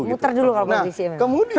muter dulu kalau kondisi ini